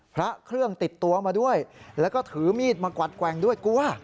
พระเครื่องติดตัวมาด้วยแล้วก็ถือมีดมากวัดแกว่งด้วยกลัว